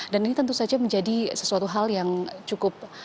dan ini tentu saja menjadi sesuatu hal yang cukup mengingatkan